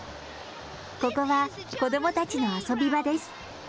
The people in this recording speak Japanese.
ここは子どもたちの遊び場です。